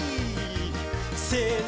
せの！